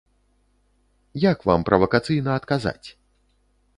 Як вам правакацыйна адказаць?